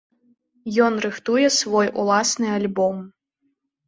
Ён рыхтуе свой уласны альбом.